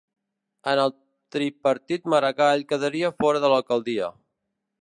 En el tripartit Maragall quedaria fora de l'alcaldia